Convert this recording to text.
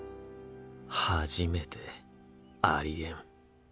初めてありえん